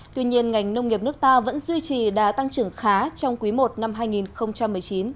tuy nhiên ngành nông nghiệp nước ta vẫn duy trì đã tăng trưởng khá trong quý i năm hai nghìn một mươi chín